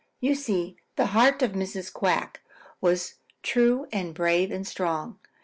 You see, the heart of Mrs. Quack was true and brave and strong.